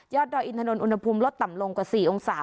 ยอดดอยทนทนอุณหภูมิลดต่ำลงกว่าสี่องศา